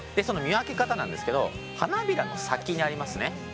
その見分け方なんですけど花びらの先にありますね。